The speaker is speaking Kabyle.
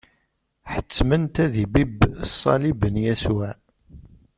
Ḥettmen-t ad ibibb ṣṣalib n Yasuɛ.